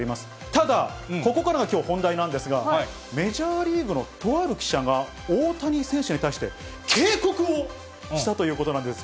ただ、ここからがきょう本題なんですが、メジャーリーグのとある記者が、大谷選手に対して警告をしたということなんです。